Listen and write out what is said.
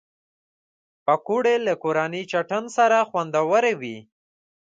پکورې له کورني چټن سره خوندورې وي